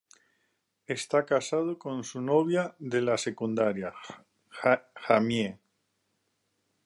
Está casado con su novia de la secundaria, Jamie.